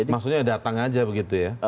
maksudnya datang aja begitu ya